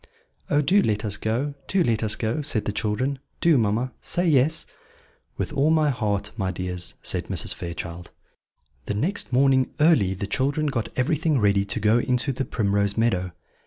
"Oh, do let us go! do let us go!" said the children; "do, mamma, say yes." "With all my heart, my dears," said Mrs. Fairchild. The next morning early the children got everything ready to go into the Primrose Meadow.